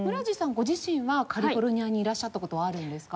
ご自身はカリフォルニアにいらっしゃった事はあるんですか？